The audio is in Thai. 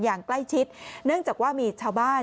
อย่างใกล้ชิดเนื่องจากว่ามีชาวบ้าน